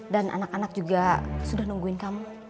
dan anak anak juga sudah nungguin kamu